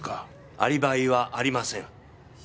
アリバイはありません。